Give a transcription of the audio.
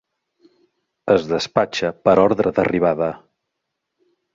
Es despatxa per ordre d'arribada.